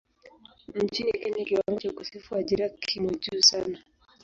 Nchini Kenya kiwango cha ukosefu wa ajira kimo juu sana.